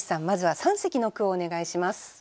まずは三席の句をお願いします。